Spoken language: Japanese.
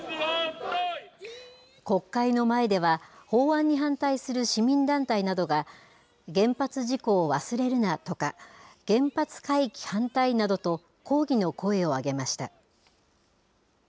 国会の前では、法案に反対する市民団体などが、原発事故を忘れるなとか、原発回帰反対などと、抗議の声を上げました。